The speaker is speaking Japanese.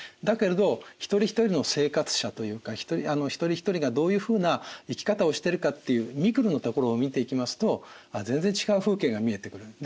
だけれど一人ひとりの生活者というか一人ひとりがどういうふうな生き方をしてるかっていうミクロなところを見ていきますと全然違う風景が見えてくる。